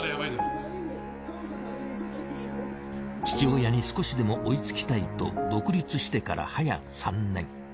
父親に少しでも追いつきたいと独立してから早３年。